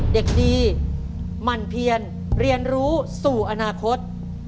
เด็กดีหมั่นเพียนเรียนรู้สู่อนาคต